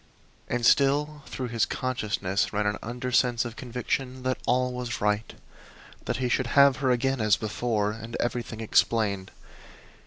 And still through his consciousness ran an undersense of conviction that all was right that he should have her again as before, and everything explained.